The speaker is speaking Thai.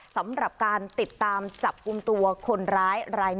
สำหรับการติดตามจับกลุ่มตัวคนร้ายราย๑